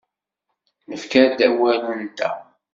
Nefka-d awal-nteɣ.